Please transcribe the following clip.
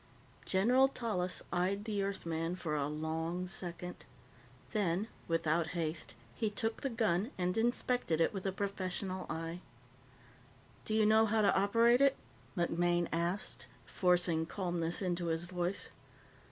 General Tallis eyed the Earthman for a long second. Then, without haste, he took the gun and inspected it with a professional eye. "Do you know how to operate it?" MacMaine asked, forcing calmness into his voice.